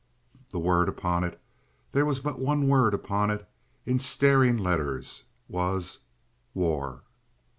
The word upon it—there was but one word upon it in staring letters—was: "WAR."